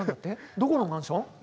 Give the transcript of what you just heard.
どこのマンション？